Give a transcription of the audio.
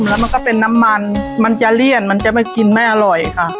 แล้วมันก็เป็นน้ำมันมันจะเลี่ยนมันจะไม่กินไม่อร่อยค่ะ